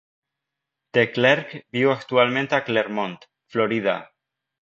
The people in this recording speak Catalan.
DeClercq viu actualment a Clermont, Florida.